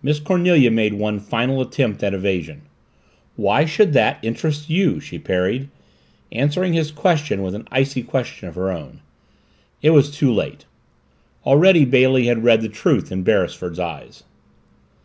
Miss Cornelia made one final attempt at evasion. "Why should that interest you?" she parried, answering his question with an icy question of her own. It was too late. Already Bailey had read the truth in Beresford's eyes.